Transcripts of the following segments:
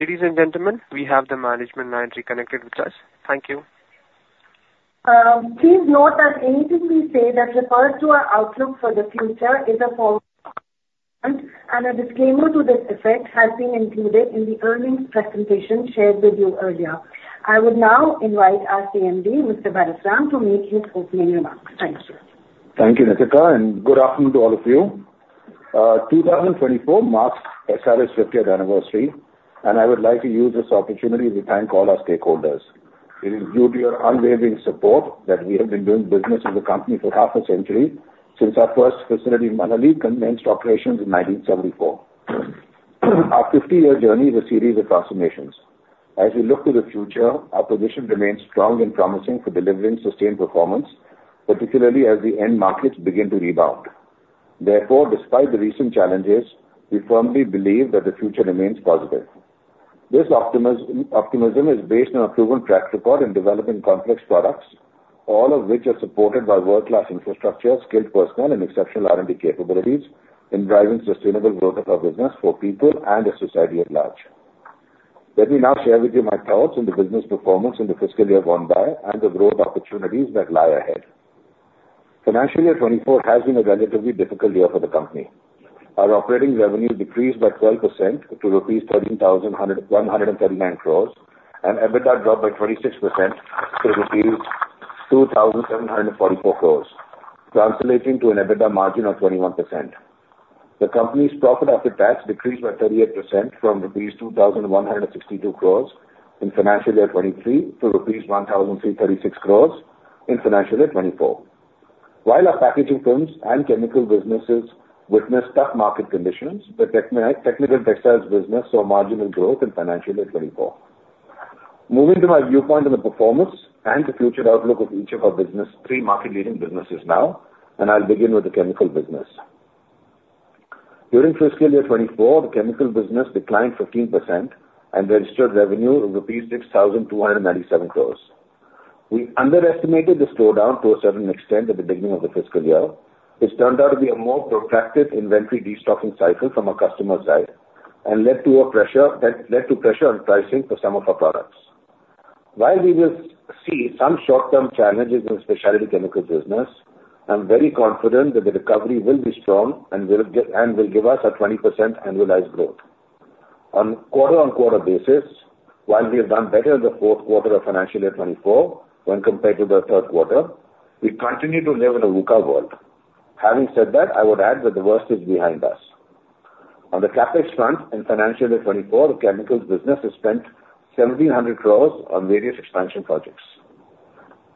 Ladies and gentlemen, we have the management line reconnected with us. Thank you. Please note that anything we say that refers to our outlook for the future is a forward-looking statement and a disclaimer to this effect has been included in the earnings presentation shared with you earlier. I would now invite our CMD, Mr. Bharat Ram, to make his opening remarks. Thank you. Thank you, Nitika, and good afternoon to all of you. 2024 marks SRF's 50th anniversary, and I would like to use this opportunity to thank all our stakeholders. It is due to your unwavering support that we have been doing business as a company for half a century, since our first facility, Manali, commenced operations in 1974. Our 50-year journey is a series of transformations. As we look to the future, our position remains strong and promising for delivering sustained performance, particularly as the end markets begin to rebound. Therefore, despite the recent challenges, we firmly believe that the future remains positive. This optimism is based on a proven track record in developing complex products, all of which are supported by world-class infrastructure, skilled personnel, and exceptional R&D capabilities in driving sustainable growth of our business for people and the society at large. Let me now share with you my thoughts on the business performance in the fiscal year gone by and the growth opportunities that lie ahead. Financial year 2024 has been a relatively difficult year for the company. Our operating revenue decreased by 12% to rupees 13,139 crore, and EBITDA dropped by 26% to rupees 2,744 crore, translating to an EBITDA margin of 21%. The company's profit after tax decreased by 38% from rupees 2,162 crore in financial year 2023 to rupees 1,336 crore in financial year 2024. While our Packaging Films and Chemical businesses witnessed tough market conditions, the Technical Textiles business saw marginal growth in financial year 2024. Moving to my viewpoint on the performance and the future outlook of each of our three market-leading businesses now, and I'll begin with the chemical business. During fiscal year 2024, the chemical business declined 15% and registered revenue of rupees 6,297 crore. We underestimated the slowdown to a certain extent at the beginning of the fiscal year. It turned out to be a more protracted inventory destocking cycle from our customer's side and led to a pressure that led to pressure on pricing for some of our products. While we will see some short-term challenges in the Specialty Chemicals business, I'm very confident that the recovery will be strong and will give us a 20% annualized growth. On quarter-on-quarter basis, while we have done better in the fourth quarter of financial year 2024 when compared to the third quarter, we continue to live in a VUCA world. Having said that, I would add that the worst is behind us. On the CapEx front, in financial year 2024, the Chemicals business has spent 1,700 crore on various expansion projects.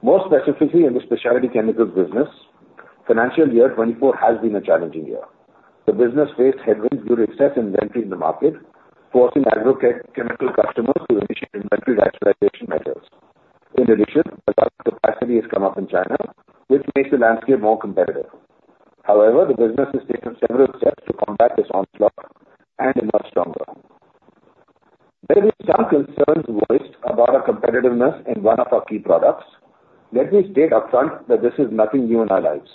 More specifically, in the Specialty Chemicals business, financial year 2024 has been a challenging year. The business faced headwinds due to excess inventory in the market, forcing agrochemical customers to initiate inventory normalization measures. In addition, a large capacity has come up in China, which makes the landscape more competitive. However, the business has taken several steps to combat this onslaught and is much stronger. There have been some concerns voiced about our competitiveness in one of our key products. Let me state upfront that this is nothing new in our lives.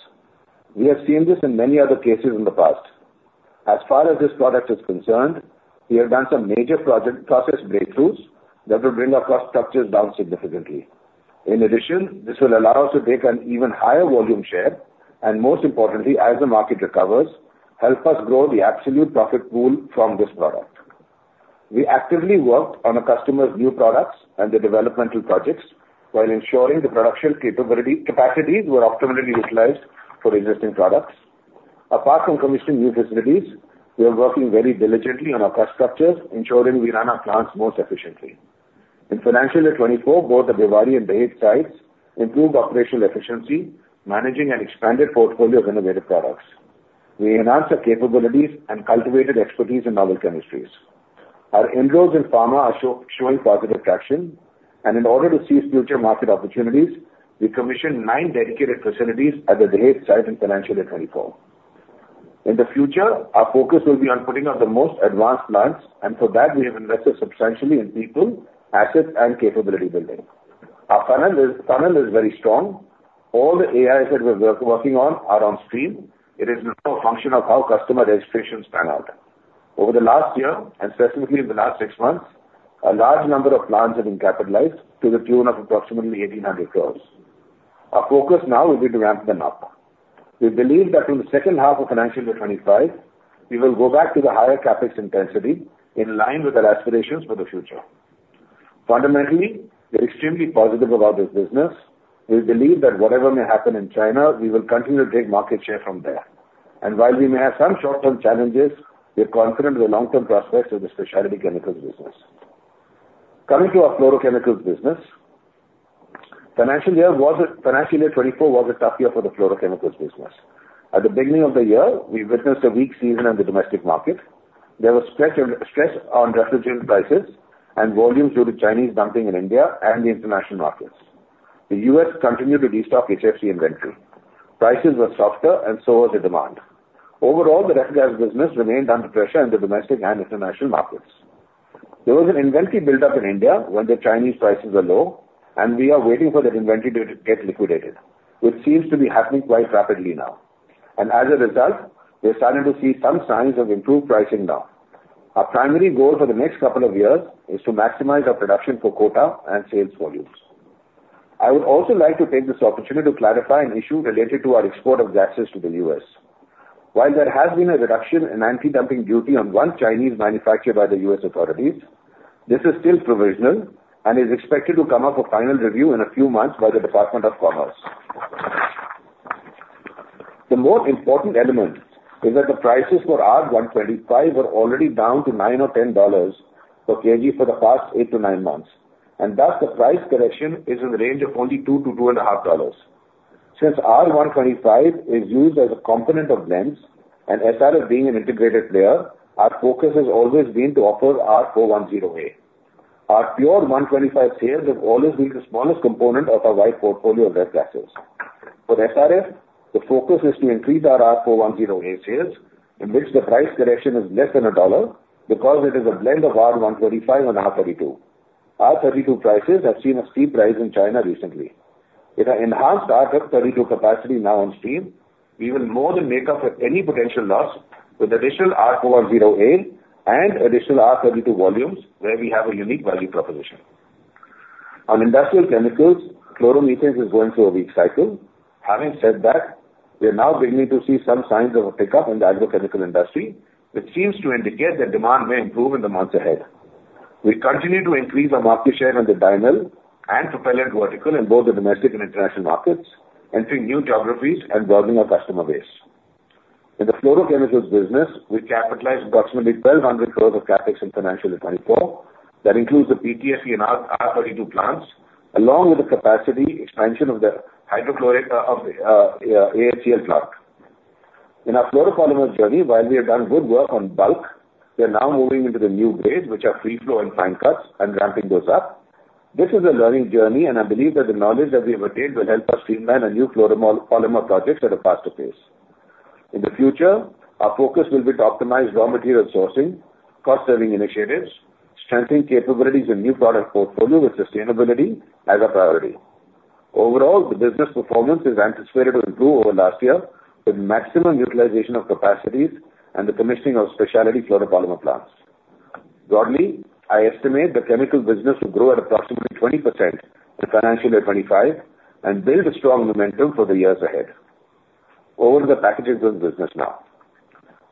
We have seen this in many other cases in the past. As far as this product is concerned, we have done some major process breakthroughs that will bring our cost structures down significantly. In addition, this will allow us to take an even higher volume share and, most importantly, as the market recovers, help us grow the absolute profit pool from this product. We actively worked on our customers' new products and their developmental projects while ensuring the production capability capacities were optimally utilized for existing products. Apart from commissioning new facilities, we are working very diligently on our cost structures, ensuring we run our plants most efficiently. In financial year 2024, both at Bhiwadi and the Dahej site, improved operational efficiency, managing and expanded portfolios of innovative products. We enhanced our capabilities and cultivated expertise in novel chemistries. Our inroads in pharma are showing positive traction, and in order to seize future market opportunities, we commissioned nine dedicated facilities at the Dahej site in financial year 2024. In the future, our focus will be on putting up the most advanced plants, and for that, we have invested substantially in people, assets, and capability building. Our funnel is very strong. All the AIs that we're working on are on stream. It is now a function of how customer registrations pan out. Over the last year, and specifically in the last six months, a large number of plants have been capitalized to the tune of approximately 1,800 crore. Our focus now will be to ramp them up. We believe that in the second half of financial year 2025, we will go back to the higher CapEx intensity in line with our aspirations for the future. Fundamentally, we're extremely positive about this business. We believe that whatever may happen in China, we will continue to take market share from there. And while we may have some short-term challenges, we're confident in the long-term prospects of the Specialty Chemicals business. Coming to our Fluorochemicals business, financial year 2024 was a tough year for the Fluorochemicals business. At the beginning of the year, we witnessed a weak season in the domestic market. There was a stretch of stress on refrigerant prices and volumes due to Chinese dumping in India and the international markets. The U.S. continued to destock HFC inventory. Prices were softer, and so was the demand. Overall, the refrigerants business remained under pressure in the domestic and international markets. There was an inventory buildup in India when the Chinese prices were low, and we are waiting for that inventory to get liquidated, which seems to be happening quite rapidly now. And as a result, we're starting to see some signs of improved pricing now. Our primary goal for the next couple of years is to maximize our production per quota and sales volumes. I would also like to take this opportunity to clarify an issue related to our export of gases to the U.S. While there has been a reduction in anti-dumping duty on one Chinese manufacturer by the U.S. authorities, this is still provisional and is expected to come up for final review in a few months by the Department of Commerce. The more important element is that the prices for R125 were already down to $9-$10 per kg for the past 8-9 months, and thus the price correction is in the range of only $2-$2.5. Since R125 is used as a component of blends and SRF being an integrated player, our focus has always been to offer R410A. Our pure R125 sales have always been the smallest component of our wide portfolio of ref gases. For SRF, the focus is to increase our R410A sales, in which the price correction is less than $1 because it is a blend of R125 and R32. R32 prices have seen a steep rise in China recently. With our enhanced R32 capacity now on stream, we will more than make up for any potential loss with additional R410A and additional R32 volumes where we have a unique value proposition. On Industrial Chemicals, chloromethane is going through a weak cycle. Having said that, we are now beginning to see some signs of a pickup in the agrochemical industry, which seems to indicate that demand may improve in the months ahead. We continue to increase our market share in the Dymel and propellant vertical in both the domestic and international markets, entering new geographies and broadening our customer base. In the Fluorochemicals business, we capitalized approximately 1,200 crore of CapEx in financial year 2024. That includes the PTFE and R32 plants, along with the capacity expansion of the hydrochloric acid, the AHCL plant. In our Fluoropolymer journey, while we have done good work on bulk, we are now moving into the new grades, which are free flow and fine cuts, and ramping those up. This is a learning journey, and I believe that the knowledge that we have attained will help us streamline our new Fluoropolymer projects at a faster pace. In the future, our focus will be to optimize raw material sourcing, cost-saving initiatives, strengthening capabilities in the new product portfolio with sustainability as a priority. Overall, the business performance is anticipated to improve over last year with maximum utilization of capacities and the commissioning of specialty Fluoropolymer plants. Broadly, I estimate the chemical business will grow at approximately 20% in financial year 2025 and build a strong momentum for the years ahead. Over to the Packaging Films business now.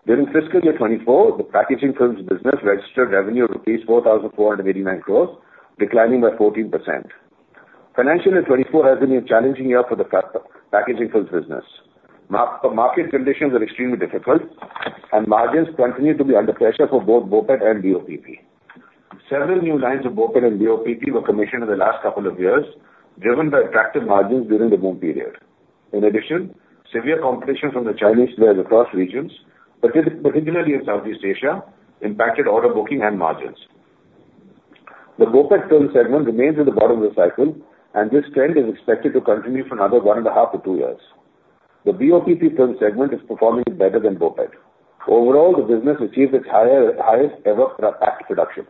During fiscal year 2024, the Packaging Films business registered revenue of rupees 4,489 crore, declining by 14%. Financial year 2024 has been a challenging year for the Packaging Films business. Market conditions are extremely difficult, and margins continue to be under pressure for both BOPET and BOPP. Several new lines of BOPET and BOPP were commissioned in the last couple of years, driven by attractive margins during the boom period. In addition, severe competition from the Chinese players across regions, particularly in Southeast Asia, impacted order booking and margins. The BOPET films segment remains at the bottom of the cycle, and this trend is expected to continue for another 1.5-2 years. The BOPP films segment is performing better than BOPET. Overall, the business achieved its highest-ever peak production.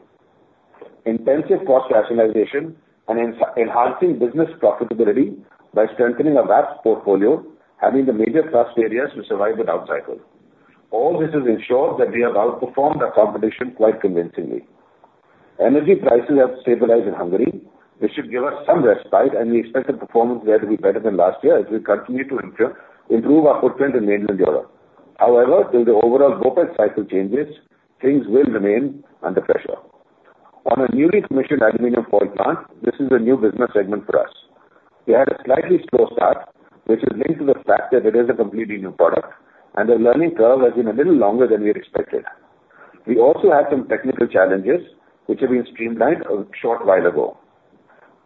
Intensive cost rationalization and enhancing business profitability by strengthening our VAP portfolio have been the major thrust areas to survive the down cycle. All this has ensured that we have outperformed our competition quite convincingly. Energy prices have stabilized in Hungary, which should give us some respite, and we expect the performance there to be better than last year as we continue to improve our footprint in mainland Europe. However, till the overall BOPET cycle changes, things will remain under pressure. On a newly commissioned aluminum foil plant, this is a new business segment for us. We had a slightly slow start, which is linked to the fact that it is a completely new product, and the learning curve has been a little longer than we expected. We also had some technical challenges, which have been streamlined a short while ago.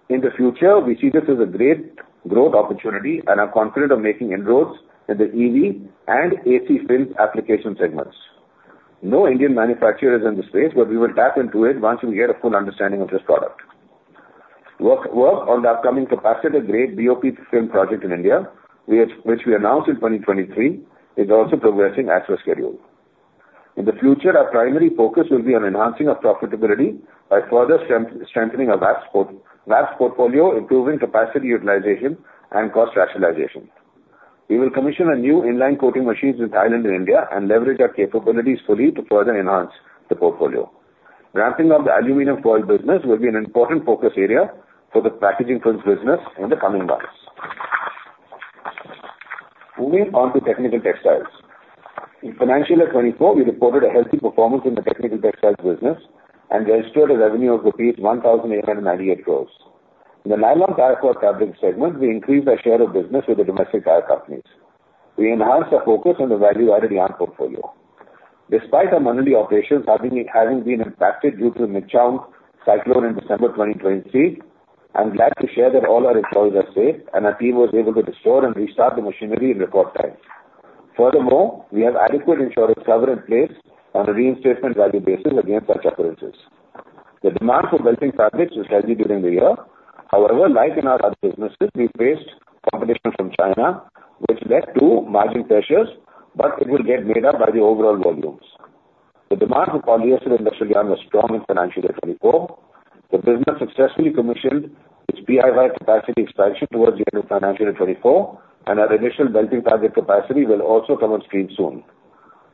In the future, we see this as a great growth opportunity, and I'm confident of making inroads in the EV and AC fins application segments. No Indian manufacturer is in the space, but we will tap into it once we get a full understanding of this product. Work on the upcoming capacity grade BOPP film project in India, which we announced in 2023, is also progressing as per schedule. In the future, our primary focus will be on enhancing our profitability by further strengthening our VAP portfolio, improving capacity utilization, and cost rationalization. We will commission a new inline coating machines in Thailand and India and leverage our capabilities fully to further enhance the portfolio. Ramping up the aluminum foil business will be an important focus area for the Packaging Films business in the coming months. Moving on to Technical Textiles. In financial year 2024, we reported a healthy performance in the Technical Textiles business and registered a revenue of 1,898 crore. In the Nylon Tyre Cord fabric segment, we increased our share of business with the domestic tire companies. We enhanced our focus on the value-added yarn portfolio. Despite our monthly operations having been impacted due to the Michaung cyclone in December 2023, I'm glad to share that all our employees are safe and our team was able to restore and restart the machinery in record time. Furthermore, we have adequate insurance cover in place on a reinstatement value basis against such occurrences. The demand for belting fabrics was healthy during the year. However, like in our other businesses, we faced competition from China, which led to margin pressures, but it will get made up by the overall volumes. The demand for polyester industrial yarn was strong in financial year 2024. The business successfully commissioned its PIY capacity expansion towards the end of financial year 2024, and our initial belting target capacity will also come on stream soon.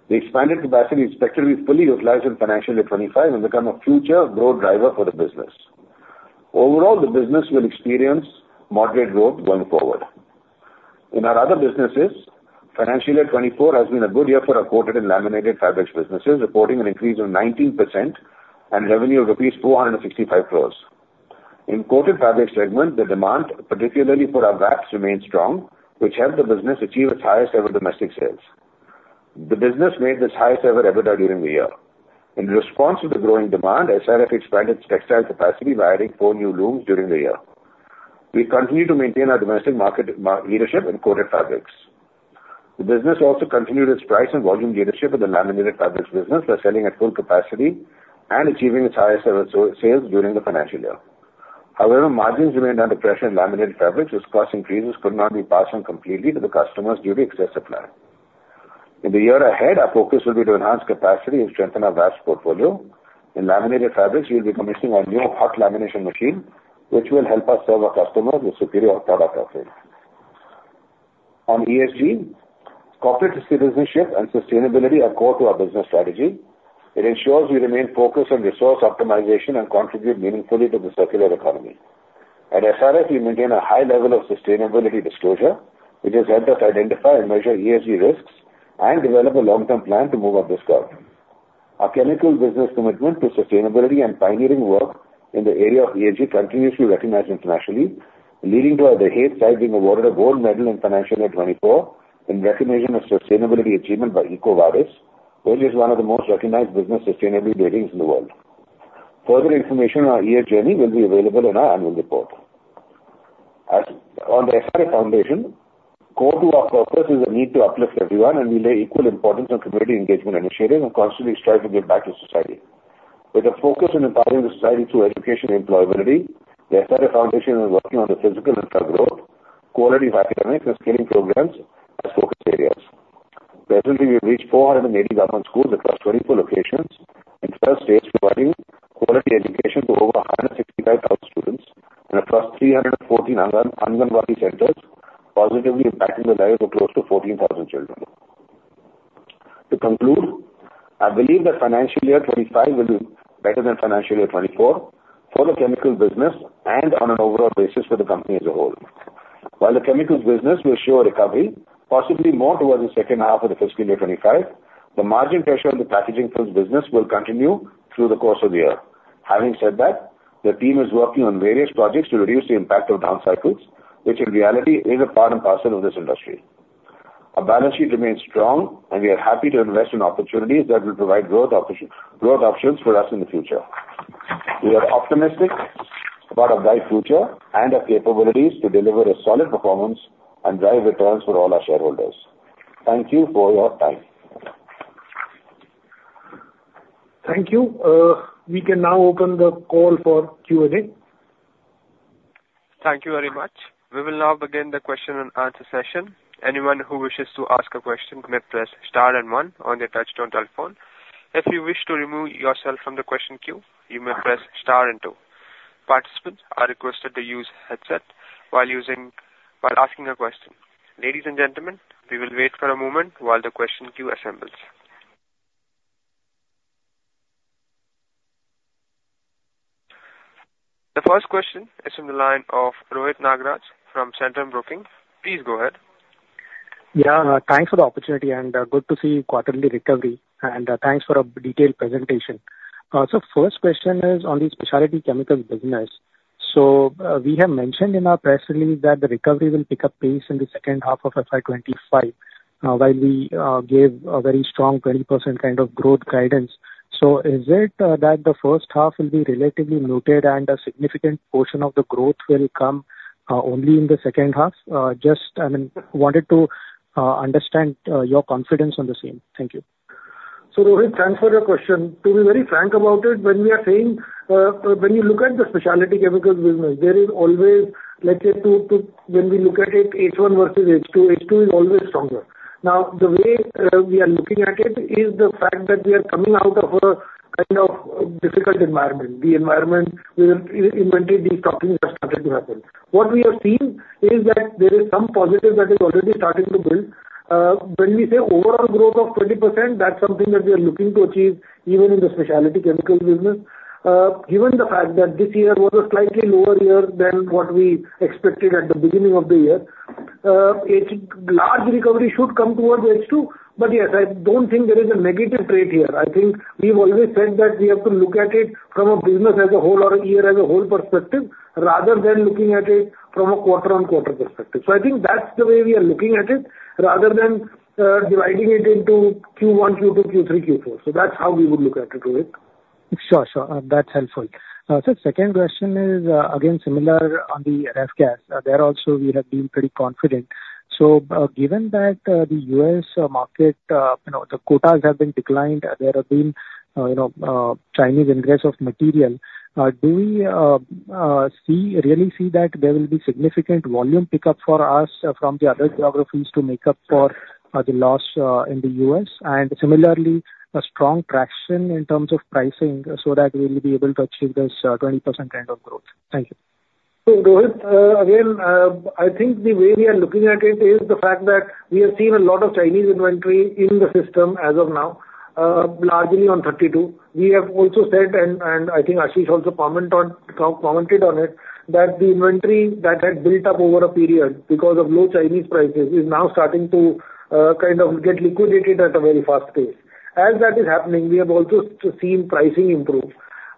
The expanded capacity is expected to be fully utilized in financial year 2025 and become a future growth driver for the business. Overall, the business will experience moderate growth going forward. In our other businesses, financial year 2024 has been a good year for our coated and Laminated Fabrics businesses, reporting an increase of 19% and revenue of rupees 465 crore. In Coated Fabrics segment, the demand, particularly for our VAPs, remains strong, which helped the business achieve its highest-ever domestic sales. The business made this highest-ever record during the year. In response to the growing demand, SRF expanded its textile capacity by adding four new looms during the year. We continue to maintain our domestic market leadership in Coated Fabrics. The business also continued its price and volume leadership in the Laminated Fabrics business by selling at full capacity and achieving its highest-ever sales during the financial year. However, margins remained under pressure in Laminated Fabrics, as cost increases could not be passed on completely to the customers due to excess supply. In the year ahead, our focus will be to enhance capacity and strengthen our VAPs portfolio. In Laminated Fabrics, we will be commissioning our new hot lamination machine, which will help us serve our customers with superior product offerings. On ESG, corporate social responsibility and sustainability are core to our business strategy. It ensures we remain focused on resource optimization and contribute meaningfully to the circular economy. At SRF, we maintain a high level of sustainability disclosure, which has helped us identify and measure ESG risks and develop a long-term plan to move up this curve. Our chemical business commitment to sustainability and pioneering work in the area of ESG continues to be recognized internationally, leading to our The Dahej site being awarded a gold medal in financial year 2024 in recognition of sustainability achievement by EcoVadis, which is one of the most recognized business sustainability ratings in the world. Further information on our ESG journey will be available in our annual report. As for the SRF Foundation, core to our purpose is a need to uplift everyone, and we lay equal importance on community engagement initiatives and constantly strive to give back to society. With a focus on empowering the society through education and employability, the SRF Foundation is working on the physical and trust growth, quality of academics, and scaling programs as focus areas. Presently, we have reached 480 government schools across 24 locations in 12 states providing quality education to over 165,000 students and across 314 Anganwadi centers, positively impacting the lives of close to 14,000 children. To conclude, I believe that financial year 2025 will be better than financial year 2024 for the chemical business and on an overall basis for the company as a whole. While the chemicals business will show a recovery, possibly more towards the second half of the fiscal year 2025, the margin pressure on the Packaging Films business will continue through the course of the year. Having said that, the team is working on various projects to reduce the impact of down cycles, which in reality is a part and parcel of this industry. Our balance sheet remains strong, and we are happy to invest in opportunities that will provide growth opportunities for us in the future. We are optimistic about our bright future and our capabilities to deliver a solid performance and drive returns for all our shareholders. Thank you for your time. Thank you. We can now open the call for Q&A. Thank you very much. We will now begin the question-and-answer session. Anyone who wishes to ask a question may press star and one on their touch-tone telephone. If you wish to remove yourself from the question queue, you may press star and two. Participants are requested to use headset while asking a question. Ladies and gentlemen, we will wait for a moment while the question queue assembles. The first question is from the line of Rohit Nagraj from Centrum Broking. Please go ahead. Yeah, thanks for the opportunity, and good to see quarterly recovery. And, thanks for a detailed presentation. So first question is on the Specialty Chemicals business. So, we have mentioned in our press release that the recovery will pick up pace in the second half of FY 2025, while we gave a very strong 20% kind of growth guidance. So is it that the first half will be relatively muted and a significant portion of the growth will come only in the second half? Just, I mean, wanted to understand your confidence on the scene. Thank you. So Rohit, thanks for your question. To be very frank about it, when we are saying, when you look at the Specialty Chemicals business, there is always, let's say, to when we look at it, H1 versus H2, H2 is always stronger. Now, the way we are looking at it is the fact that we are coming out of a kind of difficult environment, the environment where inventory destocking has started to happen. What we have seen is that there is some positive that is already starting to build. When we say overall growth of 20%, that's something that we are looking to achieve even in the Specialty Chemicals business. Given the fact that this year was a slightly lower year than what we expected at the beginning of the year, a large recovery should come towards H2. But yes, I don't think there is a negative trend here. I think we've always said that we have to look at it from a business as a whole or a year as a whole perspective rather than looking at it from a quarter-on-quarter perspective. So I think that's the way we are looking at it rather than dividing it into Q1, Q2, Q3, Q4. So that's how we would look at it, Rohit. Sure, sure. That's helpful. So second question is, again, similar on the ref gas. There also, we have been pretty confident. So, given that, the U.S. market, you know, the quotas have been declined, there have been, you know, Chinese ingress of material, do we see really see that there will be significant volume pickup for us from the other geographies to make up for, the loss, in the U.S. and similarly a strong traction in terms of pricing so that we will be able to achieve this, 20% kind of growth? Thank you. So Rohit, again, I think the way we are looking at it is the fact that we have seen a lot of Chinese inventory in the system as of now, largely on R32. We have also said and, and I think Ashish also commented on it that the inventory that had built up over a period because of low Chinese prices is now starting to, kind of get liquidated at a very fast pace. As that is happening, we have also seen pricing improve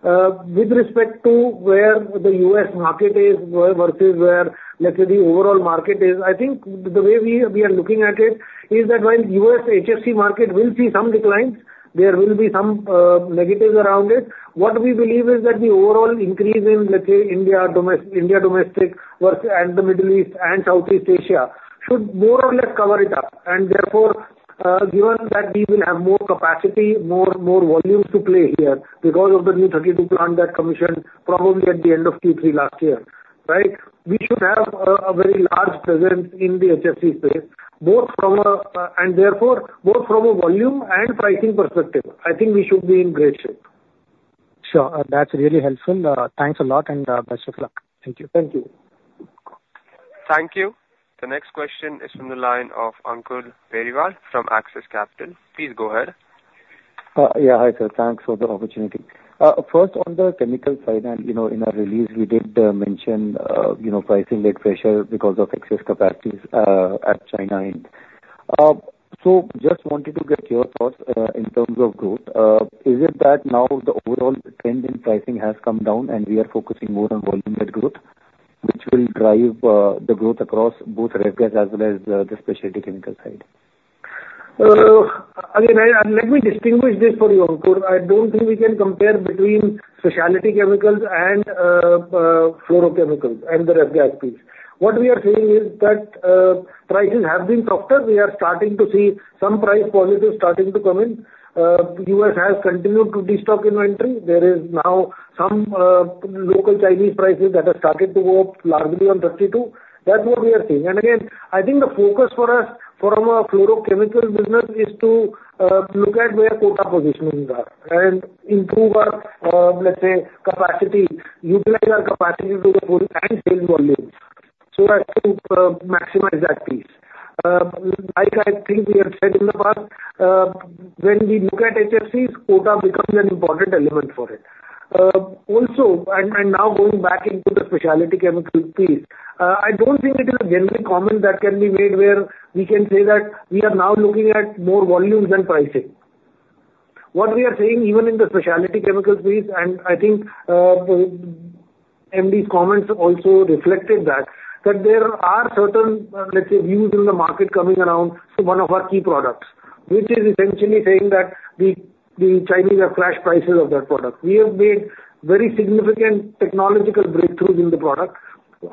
with respect to where the U.S. market is versus where, let's say, the overall market is. I think the way we are looking at it is that while the U.S. HFC market will see some declines, there will be some negatives around it. What we believe is that the overall increase in, let's say, India domestic versus the Middle East and Southeast Asia should more or less cover it up. And therefore, given that we will have more capacity, more volumes to play here because of the new R32 plant that commissioned probably at the end of Q3 last year, right, we should have a very large presence in the HFC space both from a volume and pricing perspective. I think we should be in great shape. Sure. That's really helpful. Thanks a lot, and best of luck. Thank you. Thank you. Thank you. The next question is from the line of Ankur Periwal from Axis Capital. Please go ahead. Yeah. Hi, sir. Thanks for the opportunity. First, on the chemical side, and you know, in our release, we did mention, you know, pricing-led pressure because of excess capacities at China. And so, just wanted to get your thoughts in terms of growth. Is it that now the overall trend in pricing has come down, and we are focusing more on volume-led growth, which will drive the growth across both ref gas as well as the Specialty Chemical side? Again, and let me distinguish this for you, Ankur. I don't think we can compare between Specialty Chemicals and Fluorochemicals and the ref gas piece. What we are seeing is that prices have been softer. We are starting to see some price positives starting to come in. The U.S. has continued to destock inventory. There is now some local Chinese prices that have started to go up largely on R32. That's what we are seeing. And again, I think the focus for us from a Fluorochemical business is to look at where quota positionings are and improve our, let's say, capacity, utilize our capacity to the full and sales volumes so as to maximize that piece. Like I think we have said in the past, when we look at HFCs, quota becomes an important element for it. Also, and now going back into the Specialty Chemicals piece, I don't think it is a generally common that can be made where we can say that we are now looking at more volumes than pricing. What we are saying even in the Specialty Chemicals piece and I think, CMD's comments also reflected that, that there are certain, let's say, views in the market coming around one of our key products, which is essentially saying that the Chinese have crashed prices of that product. We have made very significant technological breakthroughs in the product.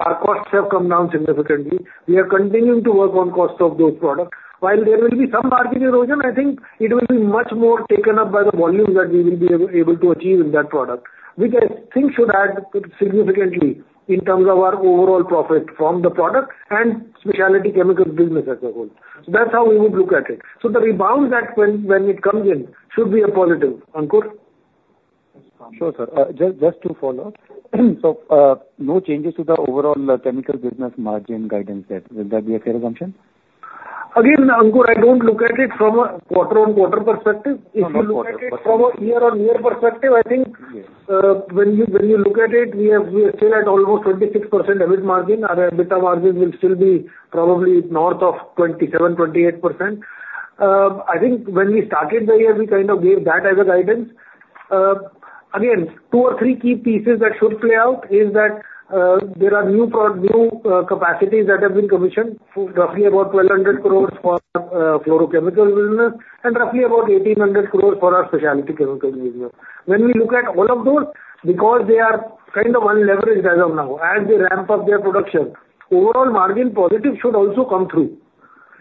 Our costs have come down significantly. We are continuing to work on cost of those products. While there will be some market erosion, I think it will be much more taken up by the volume that we will be able to achieve in that product, which I think should add significantly in terms of our overall profit from the product and Specialty Chemicals business as a whole. So that's how we would look at it. So the rebound that when it comes in should be a positive, Ankur. Sure sir. Just, just to follow up. So, no changes to the overall, chemical business margin guidance set. Will that be a fair assumption? Again, Ankur, I don't look at it from a quarter-on-quarter perspective. If you look at it from a year-on-year perspective, I think, when you when you look at it, we have we are still at almost 26% EBIT margin. Our EBITDA margins will still be probably north of 27%-28%. I think when we started the year, we kind of gave that as a guidance. Again, two or three key pieces that should play out is that, there are new, new capacities that have been commissioned for roughly about 1,200 crore for our, Fluorochemical business and roughly about 1,800 crore for our Specialty Chemicals business. When we look at all of those, because they are kind of unleveraged as of now, as they ramp up their production, overall margin positive should also come through.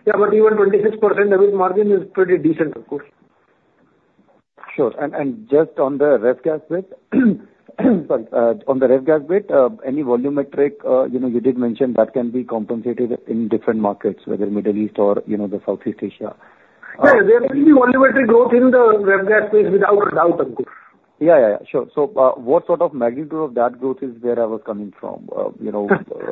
Yeah, but even 26% EBIT margin is pretty decent, of course. Sure. And, and just on the ref gas bit, sorry, on the ref gas bit, any volumetric, you know, you did mention that can be compensated in different markets, whether Middle East or, you know, the Southeast Asia. Yeah, there will be volumetric growth in the ref gas space without a doubt, Ankur. Yeah, yeah, yeah. Sure. So, what sort of magnitude of that growth is where I was coming from? You know,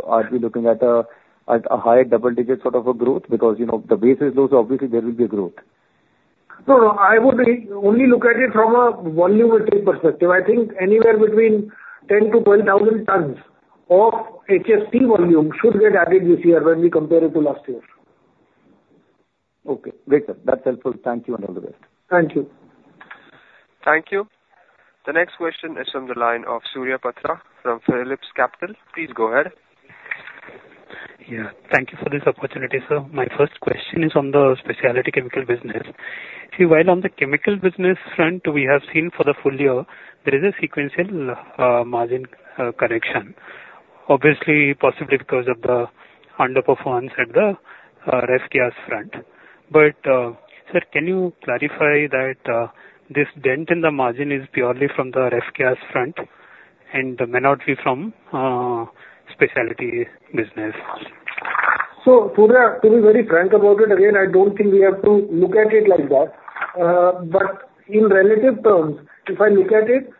are we looking at a at a high double-digit sort of a growth because, you know, the base is low, so obviously, there will be a growth? No, no. I would only look at it from a volumetric perspective. I think anywhere between 10,000-12,000 tons of HFC volume should get added this year when we compare it to last year. Okay. Great sir. That's helpful. Thank you and all the best. Thank you. Thank you. The next question is from the line of Surya Patra from PhillipCapital. Please go ahead. Yeah. Thank you for this opportunity, sir. My first question is on the Specialty Chemical business. See, while on the chemical business front, we have seen for the full year, there is a sequential, margin, correction, obviously possibly because of the underperformance at the, ref gas front. But, sir, can you clarify that, this dent in the margin is purely from the ref gas front and may not be from, Specialty Business? So Surya, to be very frank about it, again, I don't think we have to look at it like that. But in relative terms, if I look at it,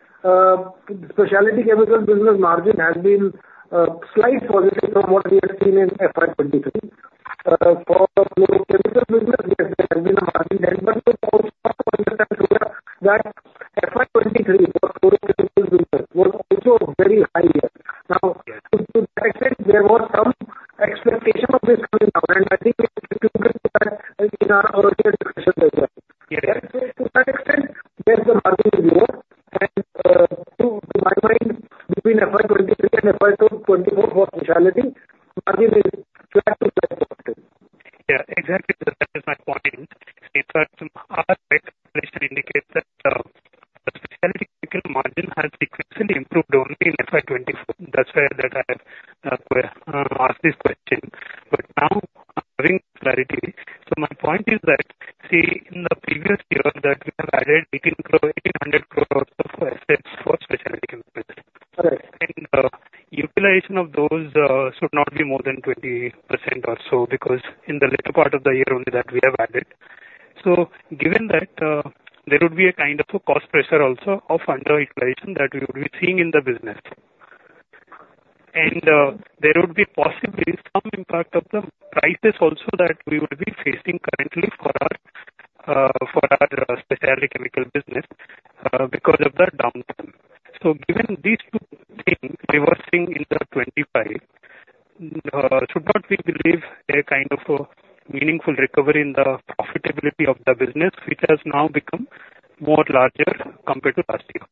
Specialty Chemicals business margin has been slightly positive from what we have seen in FY 2023. For Fluorochemical business, yes, there has been a margin meaningful recovery in the profitability of the business, which has now become more larger compared to last year?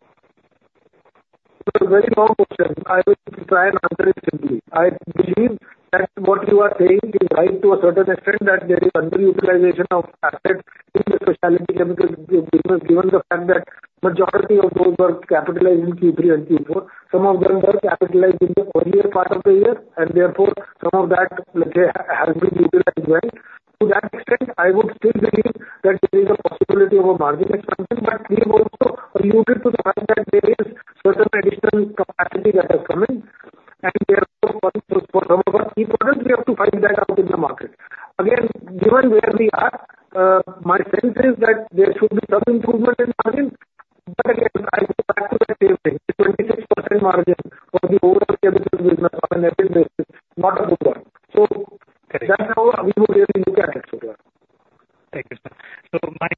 That's a very long question. I will try and answer it simply. I believe that what you are saying is right to a certain extent that there is underutilization of assets in the Specialty Chemicals business given the fact that majority of those were capitalized in Q3 and Q4. Some of them were capitalized in the earlier part of the year, and therefore, some of that, let's say, has been utilized well. To that extent, I would still believe that there is a possibility of a margin expansion, but we've also alluded to the fact that there is certain additional capacity that has come in. And therefore, for some of our key products, we have to find that out in the market. Again, given where we are, my sense is that there should be some improvement in margin. But again, I go back to that same thing. The 26% margin for the overall Chemicals business on an EBIT basis is not a good one. So that's how we would really look at it, Surya. Thank you, sir. So my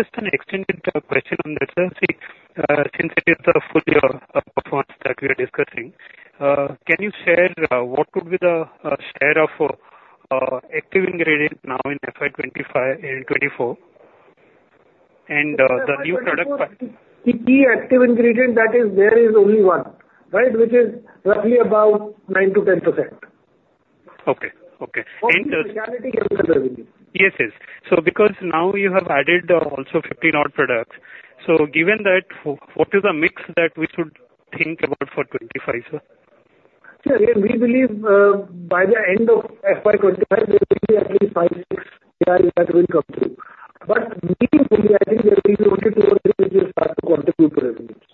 just an extended question on that, sir. See, since it is the full year performance that we are discussing, can you share what would be the share of active ingredient now in FY 2025 and 2024 and the new product mix? The active ingredient that is there is only one, right, which is roughly about 9%-10%. Okay. Okay. And specialty chemical revenue. Yes, yes. So because now you have added also 15 new products, so given that, what is the mix that we should think about for 2025, sir? Sure. Again, we believe, by the end of FY 2025, there will be at least 5-6 AIs that will come through. But meaningfully, I think there will be only two or three which will start to contribute to revenues.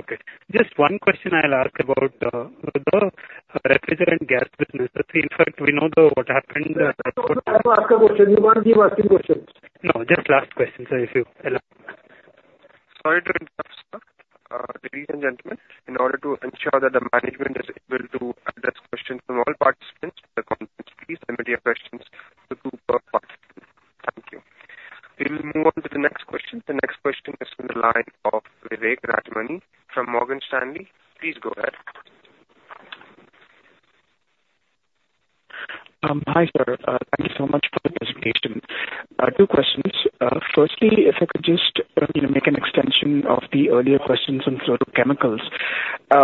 Okay. Just one question I'll ask about the refrigerant gas business. Let's see. In fact, we know what happened. I have to ask a question. You can't keep asking questions. No. Just last question, sir, if you allow. Sorry to interrupt, sir. Ladies and gentlemen, in order to ensure that the management is able to address questions from all participants, the contents, please submit your questions to two per participant. Thank you. We will move on to the next question. The next question is from the line of Vivek Rajamani from Morgan Stanley. Please go ahead. Hi, sir. Thank you so much for the invitation. Two questions. Firstly, if I could just, you know, make an extension of the earlier questions on Fluorochemicals.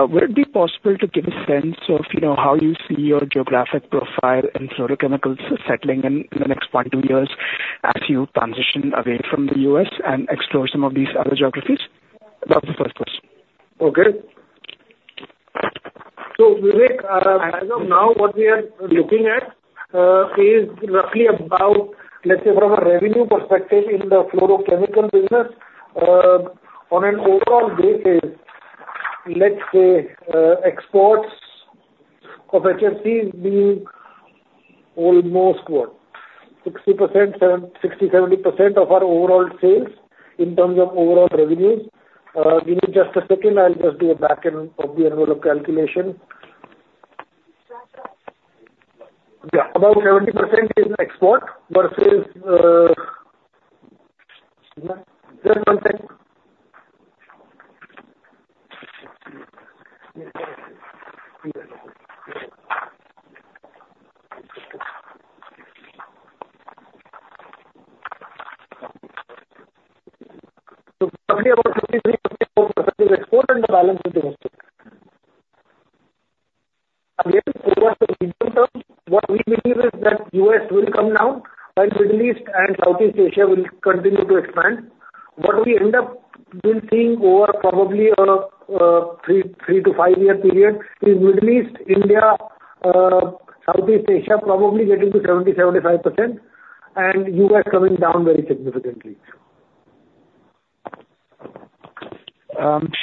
Would it be possible to give a sense of, you know, how you see your geographic profile in Fluorochemicals settling in the next 1-2 years as you transition away from the U.S. and explore some of these other geographies? That was the first question. Okay. So Vivek, as of now, what we are looking at is roughly about, let's say, from a revenue perspective in the Fluorochemical business, on an overall basis, let's say, exports of HFCs being almost, what, 60%-70%, 60-70% of our overall sales in terms of overall revenues. Give me just a second. I'll just do a back-of-the-envelope calculation. Yeah. About 70% is export versus, just one sec. So roughly about 53%-54% is export, and the balance is domestic. Again, for us, in terms, what we believe is that U.S. will come down while Middle East and Southeast Asia will continue to expand. What we end up will seeing over probably a, 3 to -5 year period is Middle East, India, Southeast Asia probably getting to 70%-75%, and U.S. coming down very significantly.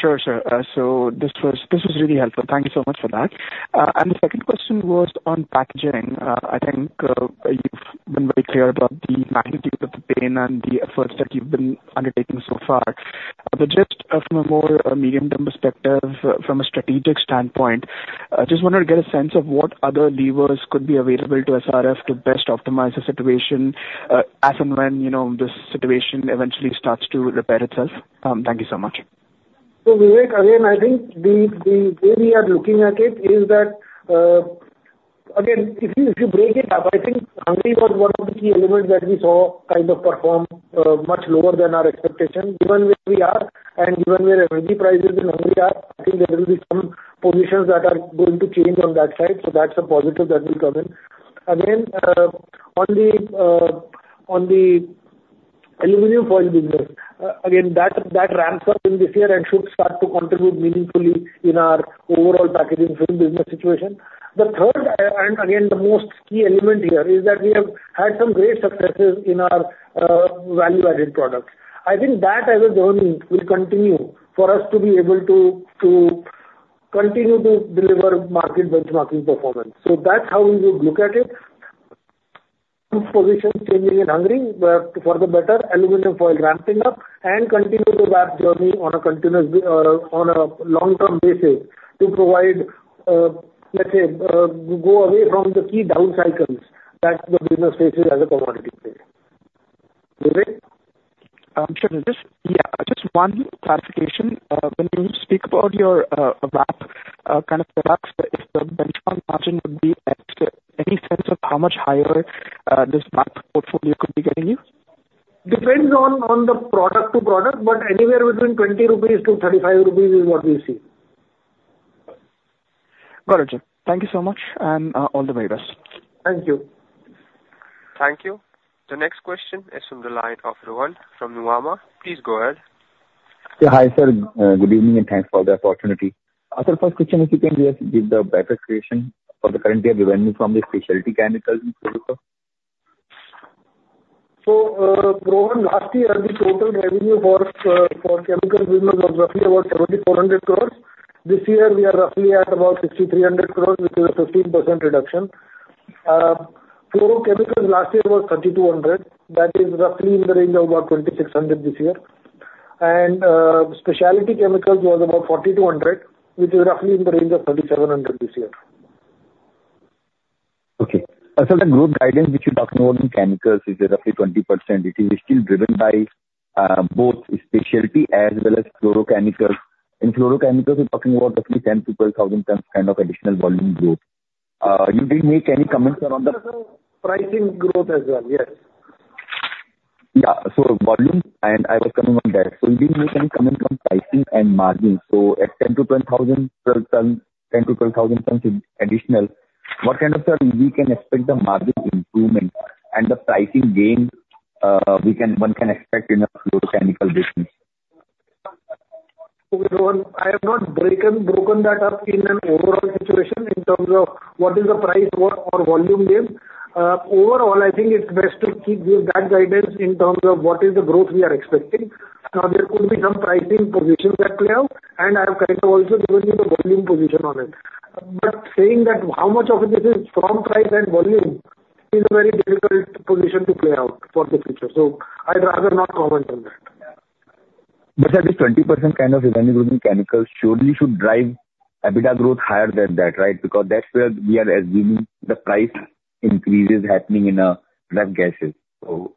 Sure, sir. So this was this was really helpful. Thank you so much for that. And the second question was on packaging. I think you've been very clear about the magnitude of the pain and the efforts that you've been undertaking so far. But just, from a more medium-term perspective, from a strategic standpoint, just wanted to get a sense of what other levers could be available to SRF to best optimize the situation, as and when, you know, this situation eventually starts to repair itself. Thank you so much. So Vivek, again, I think the way we are looking at it is that, again, if you break it up, I think Hungary was one of the key elements that we saw kind of perform much lower than our expectation given where we are and given where energy prices in Hungary are. I think there will be some positions that are going to change on that side. So that's a positive that will come in. Again, on the aluminum foil business, again, that ramps up in this year and should start to contribute meaningfully in our overall packaging film business situation. The third, and again, the most key element here is that we have had some great successes in our value-added products. I think that as a journey will continue for us to be able to continue to deliver market benchmarking performance. So that's how we would look at it. Some positions changing in Hungary, for the better, aluminum foil ramping up and continue to that journey on a continuous, on a long-term basis to provide, let's say, go away from the key down cycles that the business faces as a commodity player. Vivek? Sure. Just yeah. Just one clarification. When you speak about your, VAP, kind of perhaps if the benchmark margin would be at any sense of how much higher, this VAP portfolio could be getting you? Depends on, on the product-to-product, but anywhere between 20-35 rupees is what we see. Got it, sir. Thank you so much. All the very best. Thank you. Thank you. The next question is from the line of Rohan from Nuvama. Please go ahead. Yeah. Hi sir. Good evening, and thanks for the opportunity. Sir, first question, if you can, just give the breakdown for the current year, the revenue from the Specialty Chemicals and Fluorochemicals. So, Rohan, last year, the total revenue for, for Chemicals business was roughly about 7,400 crore. This year, we are roughly at about 6,300 crore, which is a 15% reduction. Fluorochemicals last year was 3,200 crore. That is roughly in the range of about 2,600 crore this year. And, Specialty Chemicals was about 4,200 crore, which is roughly in the range of 3,700 crore this year. Okay. Sir, the growth guidance which you're talking about in Chemicals is roughly 20%. It is still driven by, both Specialty as well as Fluorochemicals. In Fluorochemicals, we're talking about roughly 10,000-12,000 tons kind of additional volume growth. You didn't make any comments on the. So, so, pricing growth as well. Yes. Yeah. So volume, and I was coming on that. So you didn't make any comment on pricing and margin. So at 10,000-12,000 per ton, 10,000-12,000 tons additional, what kind of, sir, we can expect the margin improvement and the pricing gain one can expect in a Fluorochemical business? Okay, Rohan. I have not broken that up in an overall situation in terms of what is the price or volume gain. Overall, I think it's best to keep with that guidance in terms of what is the growth we are expecting. Now, there could be some pricing positions that play out, and I have kind of also given you the volume position on it. But saying that how much of this is from price and volume is a very difficult position to play out for the future. So I'd rather not comment on that. But, sir, this 20% kind of revenue growth in Chemicals surely should drive EBITDA growth higher than that, right, because that's where we are assuming the price increase is happening in ref gases. So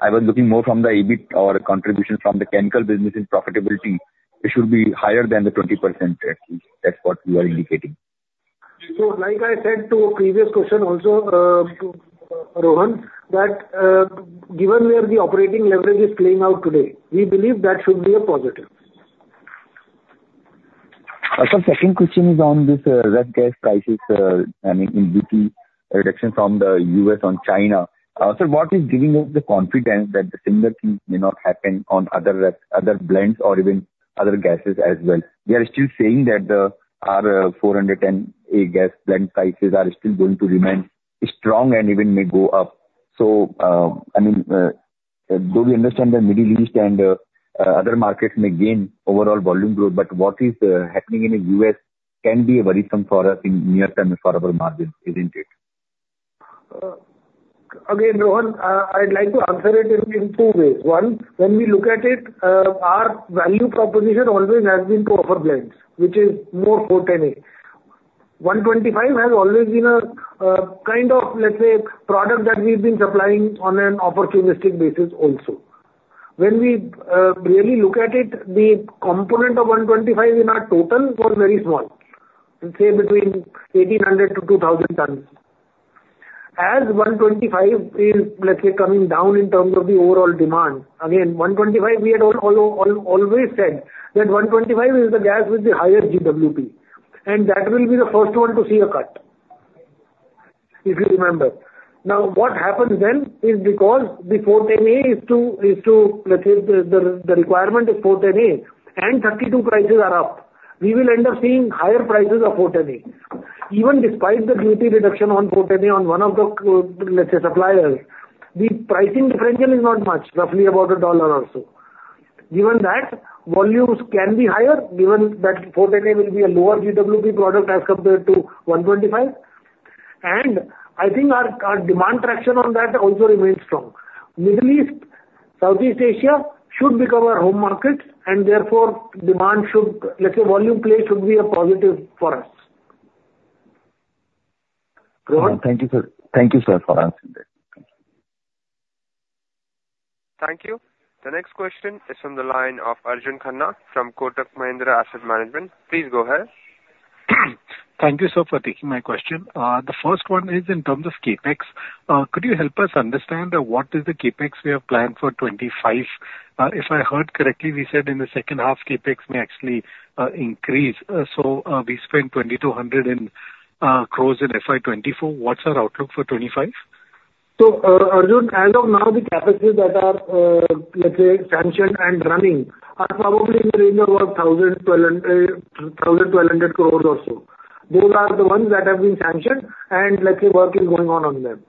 I was looking more from the EBIT or contribution from the chemical business in profitability. It should be higher than the 20% at least. That's what we are indicating. So like I said to a previous question also, Rohan, that, given where the operating leverage is playing out today, we believe that should be a positive. Sir, second question is on this, ref gas prices, I mean, AD reduction from the U.S. on China. Sir, what is giving us the confidence that the similar things may not happen on other REF other blends or even other gases as well? We are still saying that the R410A gas blend prices are still going to remain strong and even may go up. So, I mean, though we understand that Middle East and other markets may gain overall volume growth, but what is happening in the U.S. can be a worrisome for us in near-term for our margins, isn't it? Again, Rohan, I'd like to answer it in two ways. One, when we look at it, our value proposition always has been to offer blends, which is more R410A. R125 has always been a kind of, let's say, product that we've been supplying on an opportunistic basis also. When we really look at it, the component of R125 in our total was very small, let's say, between 1,800-2,000 tons. As R125 is, let's say, coming down in terms of the overall demand, again, R125, we had always said that R125 is the gas with the highest GWP, and that will be the first one to see a cut, if you remember. Now, what happens then is because the R410A is, let's say, the requirement is R410A, and R32 prices are up. We will end up seeing higher prices of R410A. Even despite the duty reduction on R410A on one of the, let's say, suppliers, the pricing differential is not much, roughly about $1 or so. Given that, volumes can be higher given that R410A will be a lower GWP product as compared to R125. And I think our demand traction on that also remains strong. Middle East, Southeast Asia should become our home market, and therefore, demand should, let's say, volume play should be a positive for us. Rohan? Thank you, sir. Thank you, sir, for answering that. Thank you. The next question is from the line of Arjun Khanna from Kotak Mahindra Asset Management. Please go ahead. Thank you, sir, for taking my question. The first one is in terms of CapEx. Could you help us understand, what is the CapEx we have planned for 2025? If I heard correctly, we said in the second half, CapEx may actually increase. So, we spent 2,200 crore in FY 2024. What's our outlook for 2025? So, Arjun, as of now, the CapExes that are, let's say, sanctioned and running are probably in the range of about 1,000-1,200 crore or so. Those are the ones that have been sanctioned, and let's say, work is going on on them.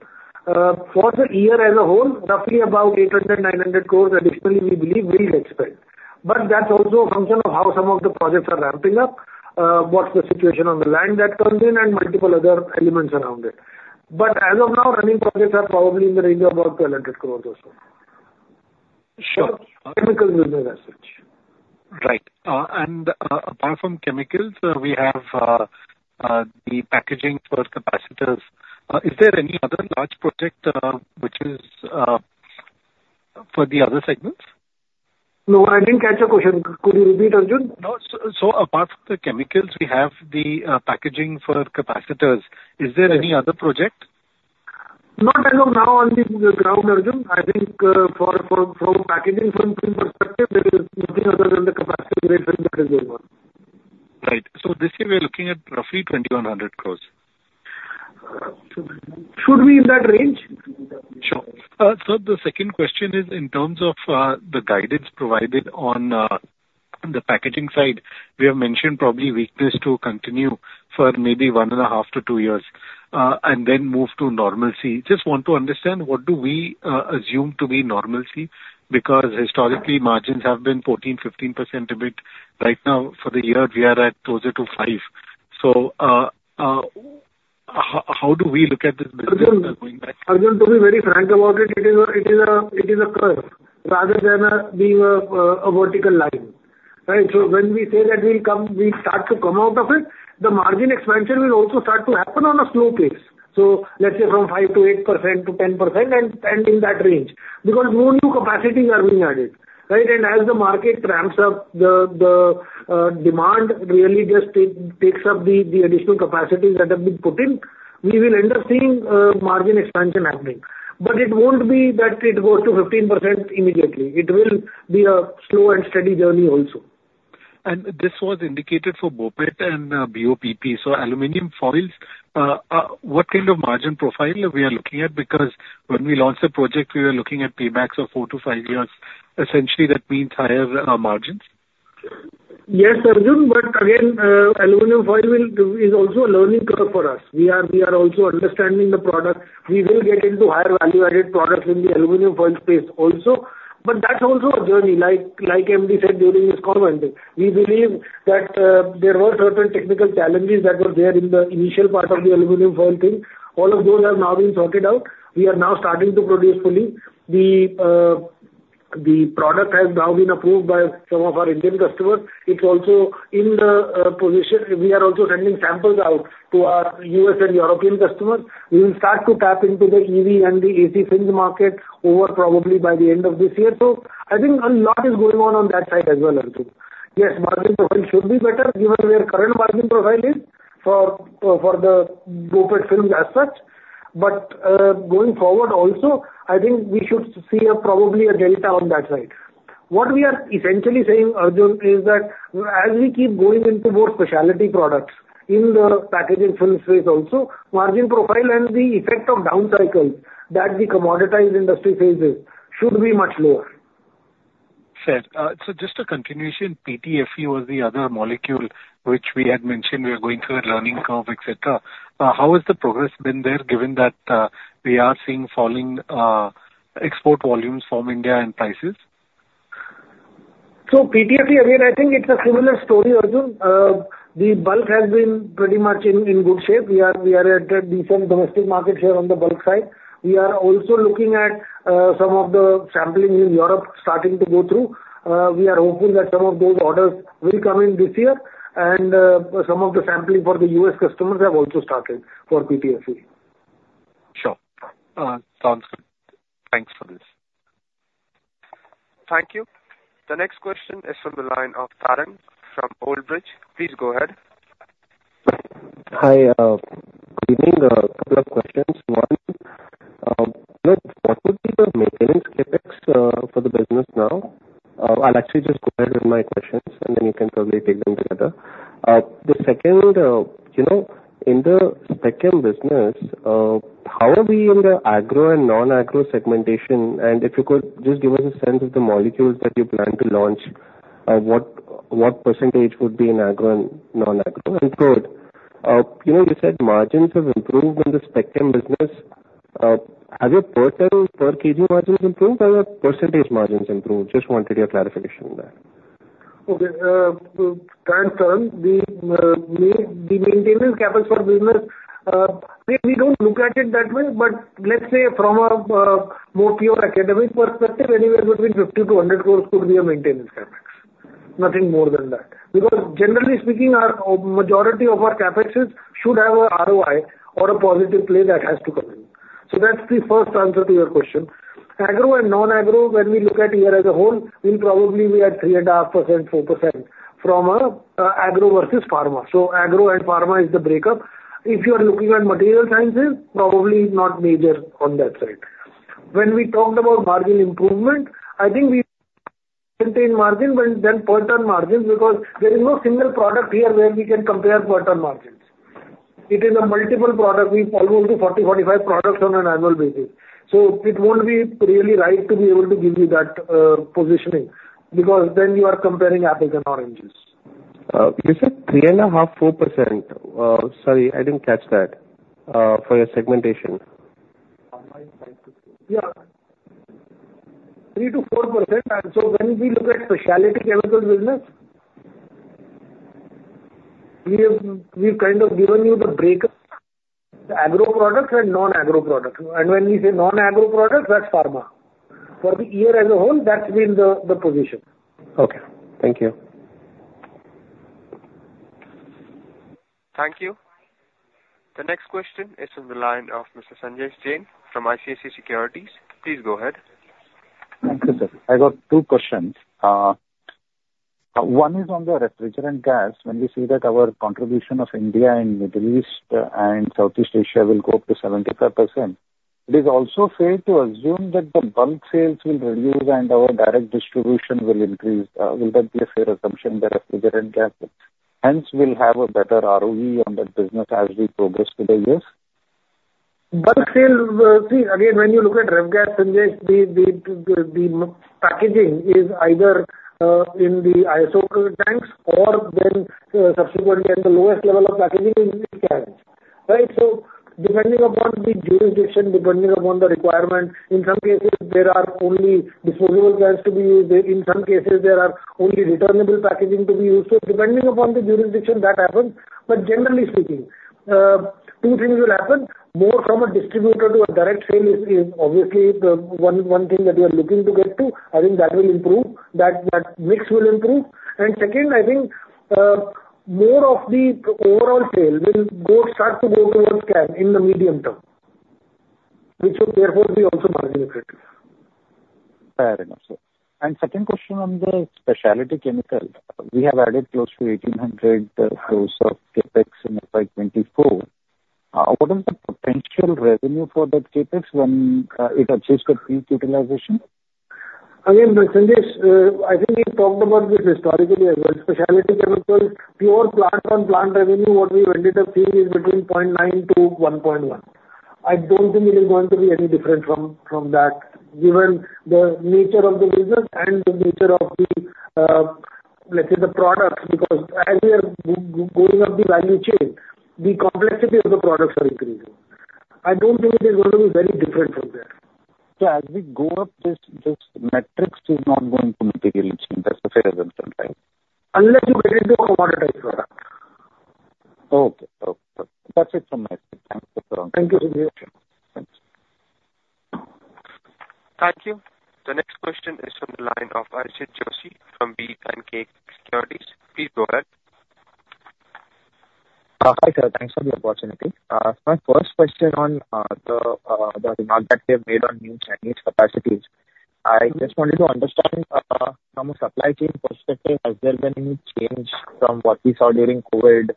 For the year as a whole, roughly about 800-900 crore additionally, we believe, will expand. But that's also a function of how some of the projects are ramping up, what's the situation on the land that comes in, and multiple other elements around it. But as of now, running projects are probably in the range of about 1,200 crore or so. Sure. Chemical business as such. Right. And, apart from Chemicals, we have, the packaging for capacitors. Is there any other large project, which is, for the other segments? No, I didn't catch your question. Could you repeat, Arjun? No. So, so apart from the Chemicals, we have the, packaging for capacitors. Is there any other project? Not as of now on the ground, Arjun. I think, for from Packaging Films perspective, there is nothing other than the capacitor grade film that is involved. Right. So this year, we are looking at roughly 2,100 crore. Should we in that range? Sure. Sir, the second question is in terms of, the guidance provided on, on the packaging side. We have mentioned probably weakness to continue for maybe 1.5-2 years, and then move to normalcy. Just want to understand, what do we, assume to be normalcy because historically, margins have been 14%-15% a bit. Right now, for the year, we are at closer to 5%. So, how do we look at this business going back? Arjun, to be very frank about it, it is a curve rather than being a, a vertical line, right? So when we say that we'll start to come out of it, the margin expansion will also start to happen on a slow pace. So let's say from 5%-8% to 10% and in that range because more new capacities are being added, right? And as the market ramps up, the demand really just takes up the additional capacities that have been put in, we will end up seeing margin expansion happening. But it won't be that it goes to 15% immediately. It will be a slow and steady journey also. And this was indicated for BOPET and BOPP. So aluminum foils, what kind of margin profile are we looking at because when we launched the project, we were looking at paybacks of 4-5 years. Essentially, that means higher margins? Yes, Arjun. But again, aluminum foil will is also a learning curve for us. We are also understanding the product. We will get into higher value-added products in the aluminum foil space also. But that's also a journey. Like, like CMD said during his call, we believe that, there were certain technical challenges that were there in the initial part of the aluminum foil thing. All of those have now been sorted out. We are now starting to produce fully. The product has now been approved by some of our Indian customers. It's also in the position we are also sending samples out to our U.S. and European customers. We will start to tap into the EV and the AC films market over probably by the end of this year. So I think a lot is going on on that side as well, Arjun. Yes, margin profile should be better given where current margin profile is for, for the BOPET films as such. But, going forward also, I think we should see a probably a delta on that side. What we are essentially saying, Arjun, is that as we keep going into more specialty products in the packaging film space also, margin profile and the effect of down cycles that the commoditized industry faces should be much lower. Sure. So just a continuation, PTFE was the other molecule which we had mentioned we are going through a learning curve, etc. How has the progress been there given that, we are seeing falling, export volumes from India and prices? So PTFE, again, I think it's a similar story, Arjun. The bulk has been pretty much in, in good shape. We are we are at a decent domestic market share on the bulk side. We are also looking at some of the sampling in Europe starting to go through. We are hopeful that some of those orders will come in this year. Some of the sampling for the U.S. customers have also started for PTFE. Sure. Sounds good. Thanks for this. Thank you. The next question is from the line of Tarang from Old Bridge. Please go ahead. Hi. Good evening. Couple of questions. One, you know, what would be the maintenance CapEx for the business now? I'll actually just go ahead with my questions, and then you can probably take them together. The second, you know, in the spec chem business, how are we in the agro and non-agro segmentation? And if you could just give us a sense of the molecules that you plan to launch, what, what percentage would be in agro and non-agro? And third, you know, you said margins have improved in the spec chem business. Have your per ton, per kg margins improved, or have your percentage margins improved? Just wanted your clarification on that. Okay. Thanks, Tarang. The maintenance CapEx for business, we don't look at it that way. But let's say from a more pure academic perspective, anywhere between 50 crore-100 crore could be a maintenance CapEx. Nothing more than that because, generally speaking, our majority of our CapExes should have a ROI or a positive play that has to come in. So that's the first answer to your question. Agro and non-agro, when we look at year as a whole, will probably be at 3.5%, 4% from a agro versus pharma. So agro and pharma is the breakup. If you are looking at material sciences, probably not major on that side. When we talked about margin improvement, I think we maintain margin but then per ton margins because there is no single product here where we can compare per ton margins. It is a multiple product. We follow to 40, 45 products on an annual basis. So it won't be really right to be able to give you that, positioning because then you are comparing apples and oranges. You said 3.5%-4%. Sorry, I didn't catch that, for your segmentation. Yeah. 3%-4%. And so when we look at specialty chemical business, we've kind of given you the breakup, the agro products and non-agro products. And when we say non-agro products, that's pharma. For the year as a whole, that's been the position. Okay. Thank you. Thank you. The next question is from the line of Mr. Sanjay Jain from ICICI Securities. Please go ahead. Thank you, sir. I got two questions. One is on the refrigerant gas. When we see that our contribution of India, Middle East and Southeast Asia will go up to 75%, it is also fair to assume that the bulk sales will reduce and our direct distribution will increase. Will that be a fair assumption, the refrigerant gas? Hence, we'll have a better ROE on that business as we progress to the U.S.? Bulk sales, see, again, when you look at ref gas, Sanjay, the packaging is either in the ISO tanks or then, subsequently, at the lowest level of packaging is cans, right? So depending upon the jurisdiction, depending upon the requirement, in some cases, there are only disposable cans to be used. In some cases, there are only returnable packaging to be used. So depending upon the jurisdiction, that happens. But generally speaking, two things will happen. More from a distributor to a direct sale is obviously the one thing that we are looking to get to. I think that will improve. That mix will improve. And second, I think, more of the overall sale will start to go towards can in the medium term, which would therefore be also margin-effective. Fair enough, sir. And second question on the specialty chemical. We have added close to 1,800 crore of CapEx in FY 2024. What is the potential revenue for that CapEx when it achieves the peak utilization? Again, Sanjay, I think we've talked about this historically as well. Specialty Chemicals, pure plant-on-plant revenue, what we ended up seeing is between 0.9-1.1. I don't think it is going to be any different from that given the nature of the business and the nature of the, let's say, the products because as we are going up the value chain, the complexity of the products are increasing. I don't think it is going to be very different from there. So as we go up, this metrics is not going to materially change. That's the fair assumption, right? Unless you get into a commoditized product. Okay. Okay. That's it from my side. Thanks, sir, for answering the question. Thank you, Sanjay. Thanks. Thank you. The next question is from the line of Archit Joshi from B&K Securities. Please go ahead. Hi, sir. Thanks for the opportunity. My first question on the new Chinese capacities. I just wanted to understand, from a supply chain perspective, has there been any change from what we saw during COVID?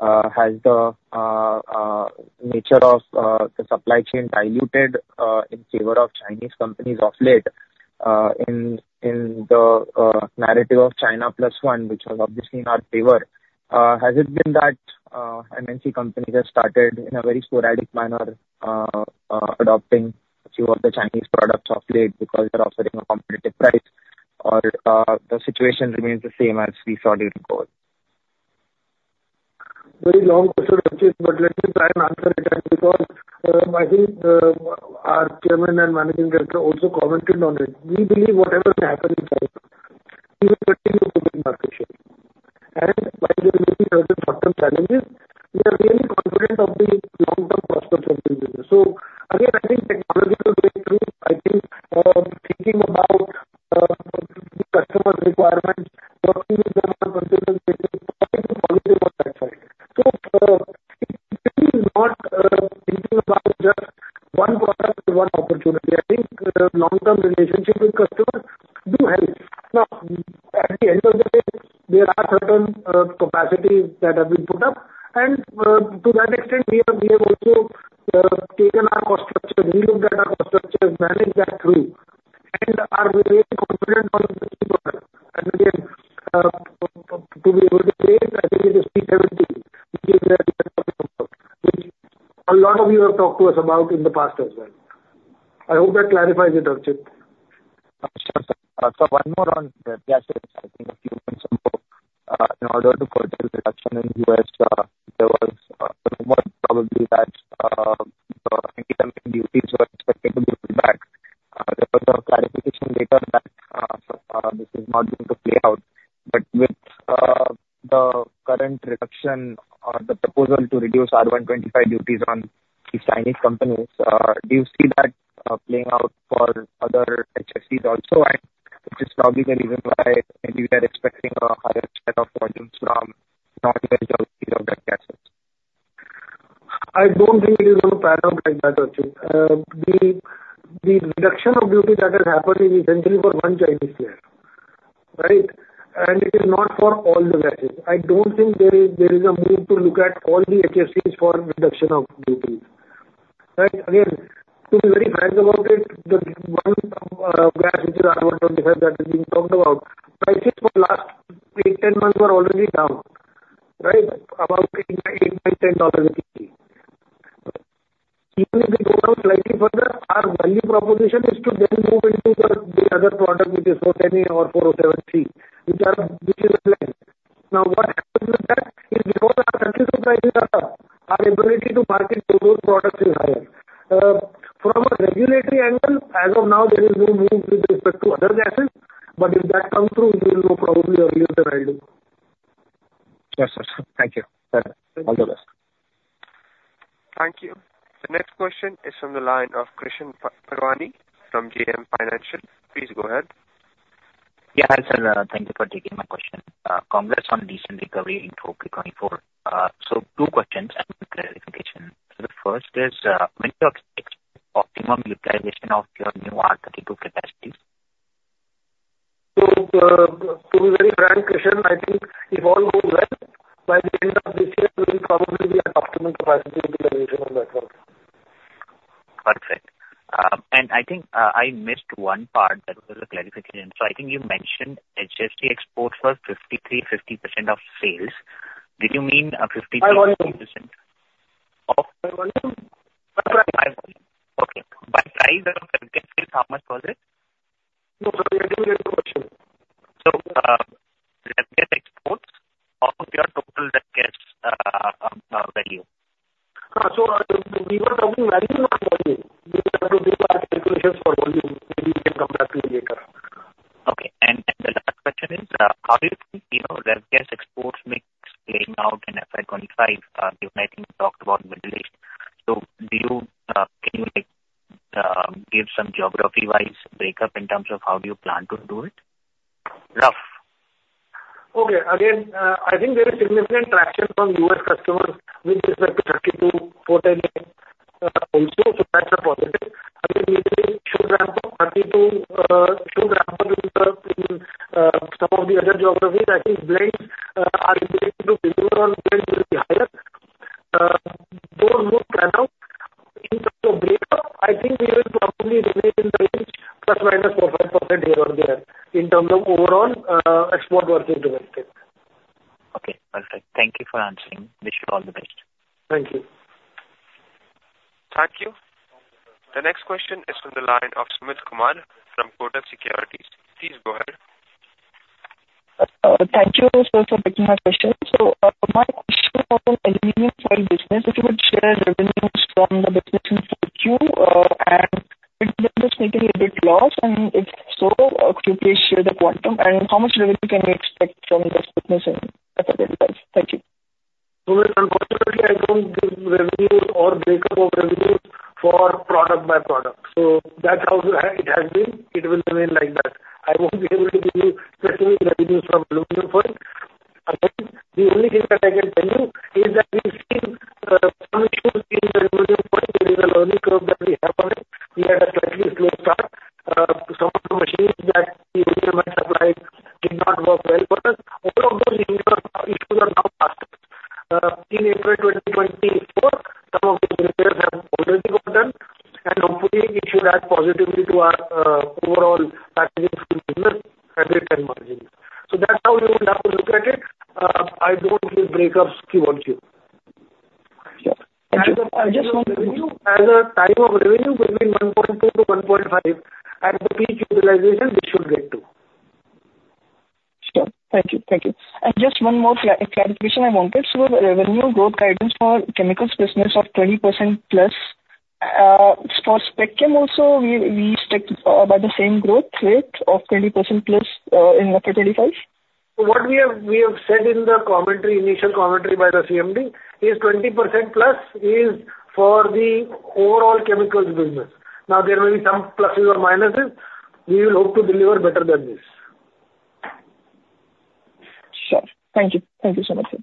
Has the nature of the supply chain diluted in favor of Chinese companies of late, in the narrative of China Plus One, which was obviously in our favor? Has it been that MNC companies have started in a very sporadic manner adopting a few of the Chinese products of late because they're offering a competitive price, or the situation remains the same as we saw during COVID? Very long question, Ashish. But let me try and answer it because I think our Chairman and Managing Director also commented on it. We believe whatever may happen in China, we will continue to build market share. And while there will be certain short-term challenges, we are really confident of the long-term prospects of this business. So again, I think technological breakthrough. I think, thinking about the customer's requirements, working with them on a consistent basis, probably too positive on that side. So, it really is not thinking about just one product and one opportunity. I think, long-term relationship with customers do help. Now, at the end of the day, there are certain capacities that have been put up. And, to that extent, we have also taken our cost structure, relooked at our cost structure, managed that through, and are really confident on the key product. And again, to date, I think it is P17, which is what we are talking about, which a lot of you have talked to us about in the past as well. I hope that clarifies it, Archit. Sure, sir. So one more on the gases, I think a few points above. In order to curtail production in the US, there was a rumor probably that the anti-dumping duties were expected to be rolled back. There was a clarification later that, so, this is not going to play out. But with the current reduction or the proposal to reduce R125 duties on these Chinese companies, do you see that playing out for other HFCs also? And which is probably the reason why maybe we are expecting a higher share of volumes from non-US jobs because of those gases? I don't think it is going to pan out like that, Archit. The reduction of duties that has happened is essentially for one Chinese player, right? And it is not for all the gases. I don't think there is a move to look at all the HFCs for reduction of duties, right? Again, to be very frank about it, the one gas which is R125 that is being talked about, prices for the last 8-10 months were already down, right, about $8-$10 a kg. Even if they go down slightly further, our value proposition is to then move into the other product which is R410A or R407C, which are which is a blend. Now, what happens with that is because our country's prices are up, our ability to market those products is higher. From a regulatory angle, as of now, there is no move with respect to other gases. But if that comes through, you will know probably earlier than I do. Sure, sir, sir. Thank you. All the best. Thank you. The next question is from the line of Krishan Parwani from JM Financial. Please go ahead. Yeah, hi, sir. Thank you for taking my question. Congrats on decent recovery in 2024. So two questions and clarification. So the first is, when do you expect optimum utilization of your new R32 capacities? So, to be very frank, Krishan, I think if all goes well, by the end of this year, we will probably be at optimum capacity utilization on that one. Perfect. And I think, I missed one part that was a clarification. So I think you mentioned HFC exports were 53%-50% of sales. Did you mean 53%-50% of? By volume? By price? By volume. Okay. By price of ref gas sales, how much was it? No, sorry. I didn't get the question. So, ref gas exports of your total ref gas, value? Huh. So we were talking value, not volume. We have to do our calculations for volume. Maybe we can come back to it later. Okay. The last question is, how do you think, you know, refrigerant gas exports mix playing out in FY 2025? Given I think we talked about R32. So do you, can you, like, give some geography-wise breakup in terms of how do you plan to do it? Rough. Okay. Again, I think there is significant traction from U.S. customers with respect to R32, R410A, also. So that's a positive. I mean, maybe it should ramp up. R32 should ramp up in some of the other geographies. I think blends, our ability to deliver on blends will be higher. Those will pan out. In terms of breakup, I think we will probably remain in the range ±4%-5% here or there in terms of overall, export versus domestic. Okay. Perfect. Thank you for answering. Wish you all the best. Thank you. Thank you. The next question is from the line of Sumit Kumar from Kotak Securities. Please go ahead. Thank you, sir, for taking my question. So, my question was on aluminum foil business. If you could share revenues from the business in 4Q, and could you then just incur any EBIT loss? And if so, could you please share the quantum? And how much revenue can you expect from this business in FY 2025? Thank you. So unfortunately, I don't give revenues or breakup of revenues for product by product. So that's how it has been. It will remain like that. I won't be able to give you specific revenues from aluminum foil. Again, the only thing that I can tell you is that we've seen some issues in the aluminum foil. There is a learning curve that we have on it. We had a slightly slow start. Some of the machines that the aluminum had supplied did not work well for us. All of those issues are now past us. In April 2024, some of the repairs have already got done. Hopefully, it should add positively to our overall Packaging Films business, fabric, and margins. So that's how we will have to look at it. I don't give breakups to volume. Sure. Thank you. Asset turnover revenue between INR 1.2-1.5, at the peak utilization, we should get to. Sure. Thank you. Thank you. And just one more clarification I wanted. So revenue growth guidance for Chemicals business of 20%+. For spec chem also, we, we stick by the same growth rate of 20%+, in FY 2025? So what we have we have said in the commentary, initial commentary by the CMD is 20%+ is for the overall Chemicals business. Now, there may be some pluses or minuses. We will hope to deliver better than this. Sure. Thank you. Thank you so much, sir.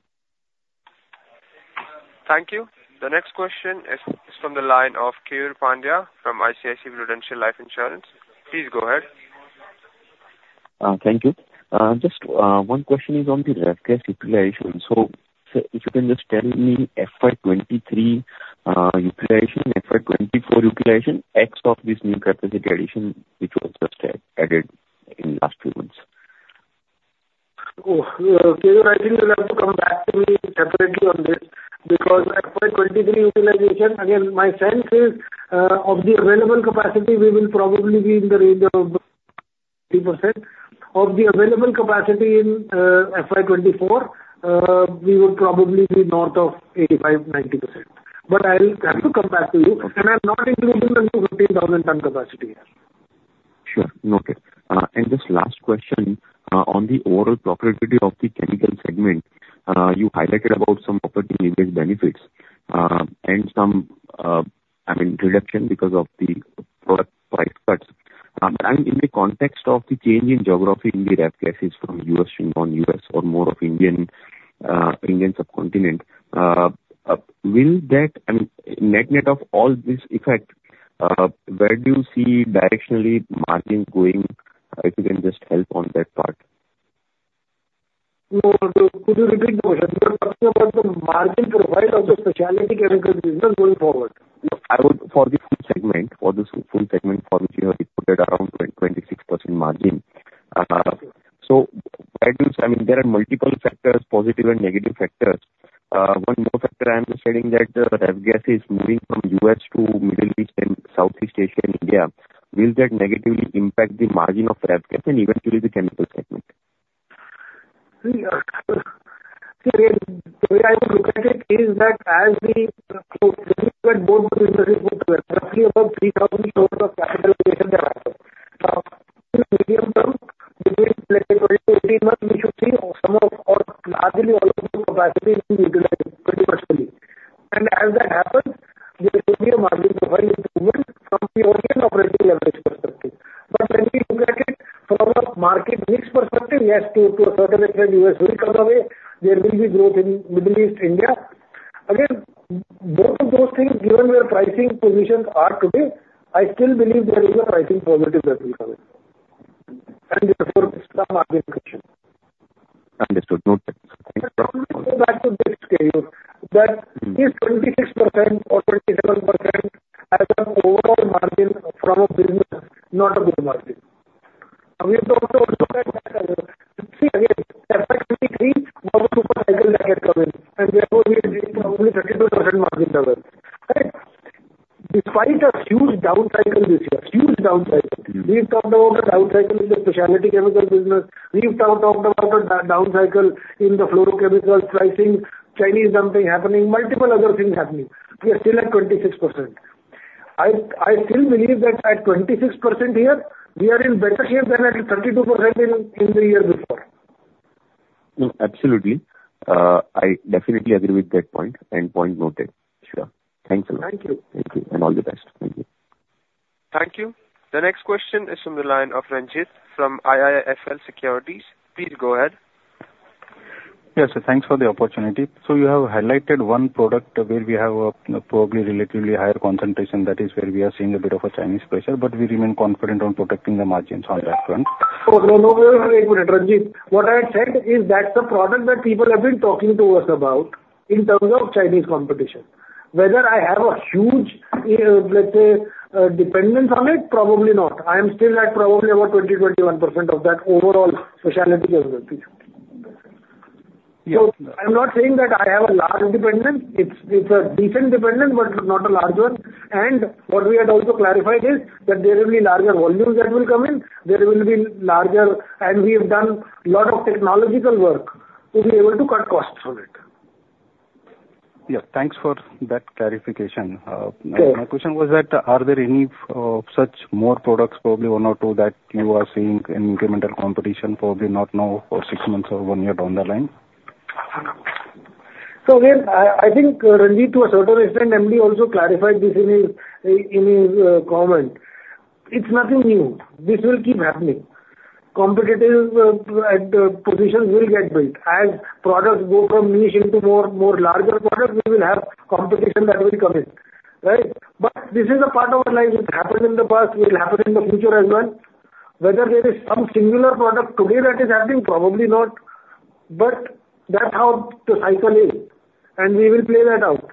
Thank you. The next question is from the line of Keyur Pandya from ICICI Prudential Life Insurance. Please go ahead. Thank you. Just, one question is on the ref gas utilization. So if you can just tell me FY 2023 utilization, FY 2024 utilization of this new capacity addition which was just added in the last few months? Oh, Keyur, I think you'll have to come back to me separately on this because FY 2023 utilization, again, my sense is, of the available capacity, we will probably be in the range of 80%. Of the available capacity in FY 2024, we would probably be north of 85%-90%. But I'll have to come back to you. And I'm not including the new 15,000-ton capacity here. Sure. Noted. Just last question, on the overall profitability of the chemical segment, you highlighted about some opportunity-based benefits, and some, I mean, reduction because of the product price cuts. But I mean, in the context of the change in geography in the ref gases from U.S. to non-U.S. or more of Indian, Indian subcontinent, will that I mean, net-net of all this effect, where do you see directionally margins going? If you can just help on that part. No, so could you repeat the question? You were talking about the margin profile of the Specialty Chemicals business going forward. For the full segment, for the full segment for which you have reported around 26% margin. So where do you I mean, there are multiple factors, positive and negative factors. One more factor, I understand that the ref gas is moving from U.S. to Middle East and Southeast Asia and India. Will that negatively impact the margin of ref gas and eventually the chemical segment? See, sir, the way I would look at it is that as, so when we look at both the businesses, both together, roughly above 3,000 crore of capitalization there happens. Now, in the medium term, between, let's say, 20-18 months, we should see some of or largely all of the capacity being utilized 20%. And as that happens, there should be a margin profile improvement from the operating leverage perspective. But when we look at it from a market mix perspective, yes, to a certain extent, U.S. will come away. There will be growth in Middle East, India. Again, both of those things, given where pricing positions are today, I still believe there is a pricing positive that will come in. And therefore, it's a margin question. Understood. Noted. Thank you. I want to go back to this, Keyur, that is 26% or 27% as an overall margin from a business, not a growth margin. Now, we've talked also at that see, again, FY 2023 was a super cycle that had come in. And therefore, we had probably 32% margin level, right? Despite a huge down cycle this year, huge down cycle. We've talked about a down cycle in the specialty chemical business. We've talked about a down cycle in the Fluorochemicals pricing, Chinese dumping happening, multiple other things happening. We are still at 26%. I, I still believe that at 26% here, we are in better shape than at 32% in, in the year before. Absolutely. I definitely agree with that point and point noted. Sure. Thanks a lot. Thank you. Thank you. And all the best. Thank you. Thank you. The next question is from the line of Ranjit from IIFL Securities. Please go ahead. Yes, sir. Thanks for the opportunity. So you have highlighted one product where we have a probably relatively higher concentration. That is where we are seeing a bit of a Chinese pressure. But we remain confident on protecting the margins on that front. Oh, no, no. Wait, wait, wait. Ranjit, what I had said is that's a product that people have been talking to us about in terms of Chinese competition. Whether I have a huge, let's say, dependence on it, probably not. I am still at probably about 20%-21% of that overall specialty chemical piece. So I'm not saying that I have a large dependence. It's, it's a decent dependence, but not a large one. And what we had also clarified is that there will be larger volumes that will come in. There will be larger and we have done a lot of technological work to be able to cut costs from it. Yeah. Thanks for that clarification. My question was that are there any, such more products, probably one or two, that you are seeing in incremental competition, probably not now for six months or one year down the line? So again, I, I think Ranjit, to a certain extent, CMD also clarified this in his, in his, comment. It's nothing new. This will keep happening. Competitive, positions will get built. As products go from niche into more, more larger products, we will have competition that will come in, right? But this is a part of our life. It happened in the past. It will happen in the future as well. Whether there is some singular product today that is happening, probably not. But that's how the cycle is. And we will play that out.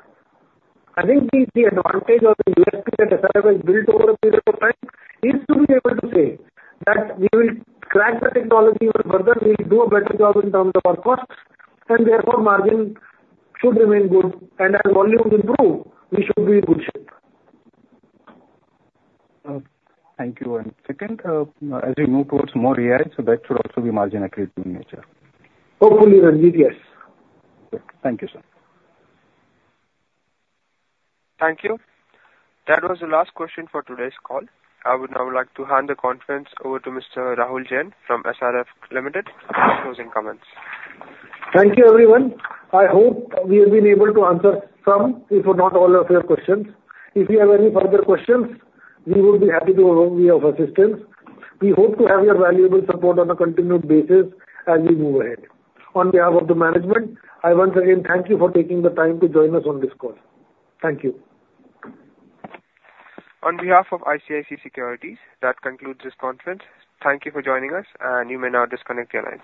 I think the advantage of the U.S. piece that SRF has built over a period of time is to be able to say that we will crack the technology even further. We'll do a better job in terms of our costs. And therefore, margin should remain good. And as volumes improve, we should be in good shape. Thank you. And second, as we move towards more AI, so that should also be margin accretive in nature. Hopefully, Ranjit, yes. Thank you, sir. Thank you. That was the last question for today's call. I would now like to hand the conference over to Mr. Rahul Jain from SRF Limited for closing comments. Thank you, everyone. I hope we have been able to answer some if not all of your questions. If you have any further questions, we would be happy to be of assistance. We hope to have your valuable support on a continued basis as we move ahead. On behalf of the management, I once again thank you for taking the time to join us on this call. Thank you. On behalf of ICICI Securities, that concludes this conference. Thank you for joining us. You may now disconnect your lines.